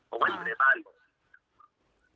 ผมไม่ได้อยู่ในบ้านผม